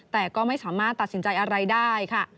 แต่ก็ไม่สามารถตัดสินใจอะไรได้ค่ะ